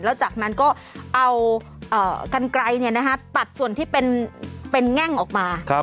แล้วจากนั้นก็เอากันไกลตัดส่วนที่เป็นแง่งออกมา